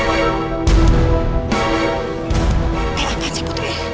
eh atas sih putri